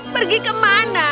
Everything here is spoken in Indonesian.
pergi ke mana